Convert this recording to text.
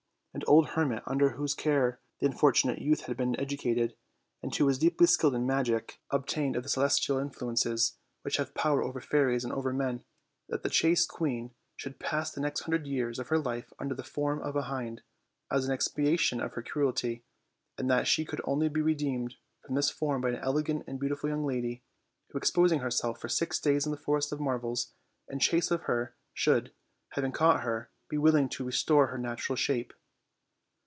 An old hermit, under whose care the unfortunate youth had been educated, and who was deeply skilled in magic, 50 OLD, OLD FAIRY TALES. obtained of the celestial influences, which have power over fairies as over men, that the chaste queen should pass the next hundred years of her life under the form of a hind, as an expiation for her cruelty, and that she should only be redeemed from this form by an elegant and beautiful young lady, who, exposing herself for six days in the Forest of Marvels in cbase of her, should, having caught her, be willing to ;tore her natural shape.